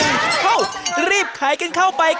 อ้าวรีบขายกันเข้าไปครับ